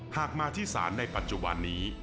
หากมาที่ศาลในปัจจุบันนี้